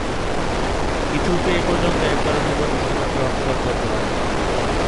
Ethiopia এপর্যন্ত একবারও FIFA বিশ্বকাপে অংশগ্রহণ করতে পারেনি।